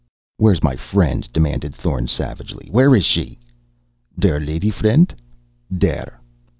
"Where's my friend?" demanded Thorn savagely. "Where is she?" "Der lady friendt? There!"